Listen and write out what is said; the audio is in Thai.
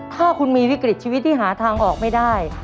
ถ้าคุณมีวิกฤตชีวิตที่หาทางออกไม่ได้